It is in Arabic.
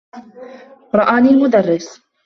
رآني المدرّس.